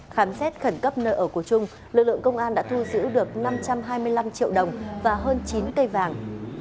khám xét khẩn cấp nơi ở của trung lực lượng công an đã thu giữ được năm trăm hai mươi năm triệu đồng và hơn chín cây vàng